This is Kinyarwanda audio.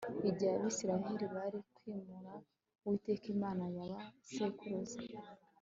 igihe abisirayeli bari kwimura uwiteka imana ya ba sekuruza